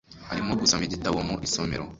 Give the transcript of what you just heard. Arimo gusoma igitabo mu isomero.